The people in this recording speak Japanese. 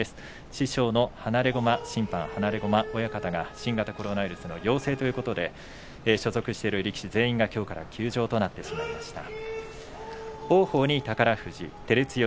師匠の放駒親方が新型コロナウイルス陽性ということで所属する力士全員がきょうから休場となってしまいました。